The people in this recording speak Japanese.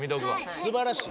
すばらしい。